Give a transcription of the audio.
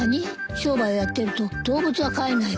商売をやってると動物は飼えないわね。